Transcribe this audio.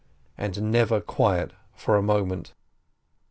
And never quiet for a moment.